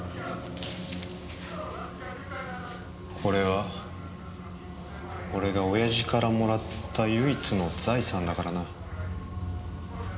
これは俺がオヤジからもらった唯一の財産だからな。